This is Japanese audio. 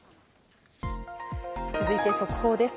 続いて速報です。